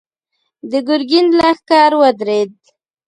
د ګرګين لښکر ودرېد.